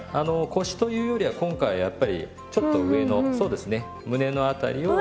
腰というよりは今回やっぱりちょっと上のそうですね胸の辺りを。